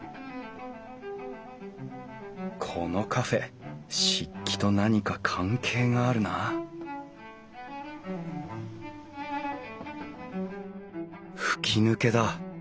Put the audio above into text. このカフェ漆器と何か関係があるな吹き抜けだ。